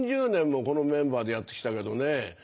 ４０年もこのメンバーでやって来たけどねぇ。